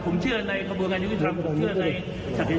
ผมเชื่อในกระบวนการยุติธรรมหรือเชื่อใน